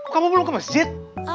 kamu belum ke masjid